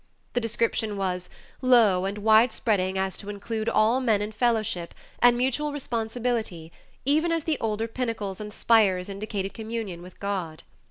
The description was "low and widespreading as to include all men in fellowship and mutual responsibility even as the older pinnacles and spires indicated communion with God."